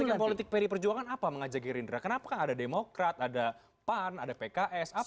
kepentingan politik peri perjuangan apa mengajak gerindra kenapa kan ada demokrat ada pan ada pks apa